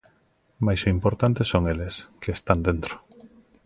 Mais o importante son eles, que están dentro.